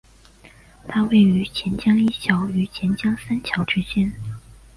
它位于钱江一桥与钱江三桥之间。